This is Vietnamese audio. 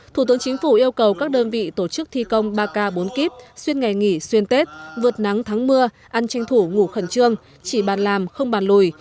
thủ tướng chính phủ yêu cầu các đơn vị tổ chức thi công ba k bốn k xuyên ngày nghỉ xuyên tết vượt nắng thắng mưa ăn tranh thủ ngủ khẩn trương chỉ bàn làm không bàn lùi